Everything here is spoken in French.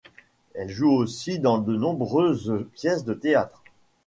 Elle joue aussi dans de nombreuses pièces de théâtre.